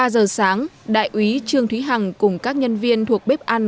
ba giờ sáng đại úy trương thúy hằng cùng các nhân viên thuộc bếp ăn